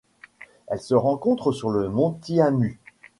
Elle se rencontre sur le mont Tianmu.